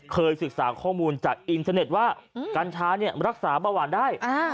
เคยศึกษาข้อมูลจากอินเทอร์เน็ตว่ากัญชารักษาเบาหวานได้